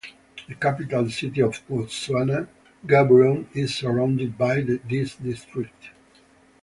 The capital city of Botswana, Gaborone, is surrounded by this district.